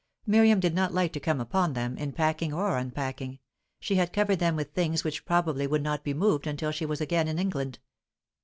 Miriam did not like to come upon them, in packing or unpacking; she had covered them with things which probably would not be moved until she was again in England.